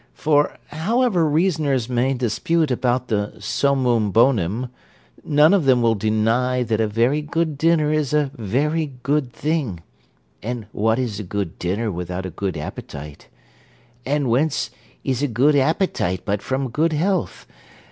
For, however reasoners may dispute about the summum bonum, none of them will deny that a very good dinner is a very good thing: and what is a good dinner without a good appetite? and whence is a good appetite but from good health?